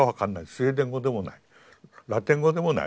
スウェーデン語でもないラテン語でもない。